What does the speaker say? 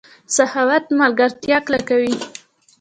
سخاوت ملګرتیا کلکوي.